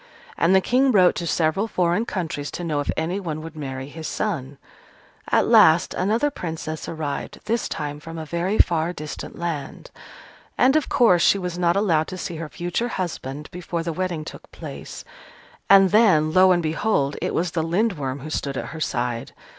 And the King wrote to several foreign countries, to know if anyone would marry his son. At last another Princess arrived, this time from a very far distant land. And, of course, she was not allowed to see her future husband before the wedding took place, and then, lo and behold! it was the Lindworm who stood at her side.